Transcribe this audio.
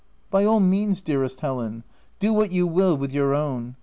" By all means, dearest Helen !— do what you will with your own.